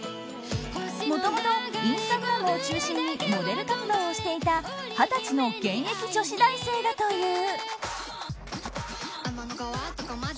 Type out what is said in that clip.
もともとインスタグラムを中心にモデル活動をしていた二十歳の現役女子大生だという。